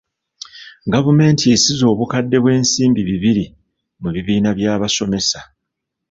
Gavumenti esize obukadde bw'ensimbi bibiri mu bibiina by'abasomesa.